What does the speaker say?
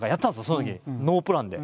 そのときノープランで。